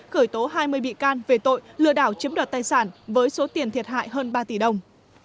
khởi tố hai mươi bị can về tội lừa đảo chiếm đoạt tài sản với số tiền thiệt hại hơn ba tỷ đồng